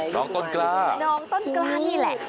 น้องต้นกล้าน้องต้นกล้านี่แหละ